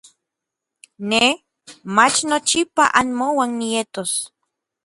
Nej, mach nochipa anmouan nietos.